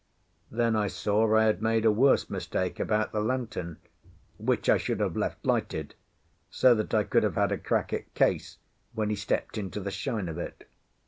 Then I saw I had made a worse mistake about the lantern, which I should have left lighted, so that I could have had a crack at Case when he stepped into the shine of it.